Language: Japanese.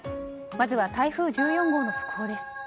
まずは、台風１４号の速報です。